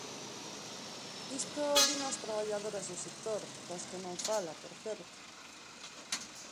Isto dino as traballadoras do sector, coas que non fala, por certo.